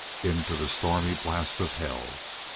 Into the stormy blast of hell!